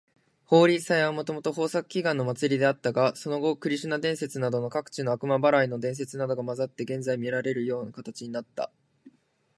ホーリー祭はもともと豊作祈願の祭りであったが、その後クリシュナ伝説などの各地の悪魔払いの伝説などが混ざって、現在みられる形になった。